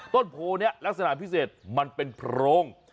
ต้นโพนี้ลักษณะพิเศษมันเป็นโพรง